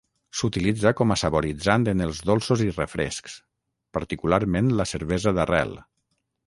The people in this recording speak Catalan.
S'utilitza com a saboritzant en els dolços i refrescs, particularment la cervesa d'arrel.